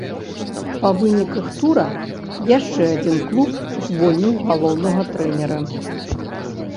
Па выніках тура яшчэ адзін клуб звольніў галоўнага трэнера.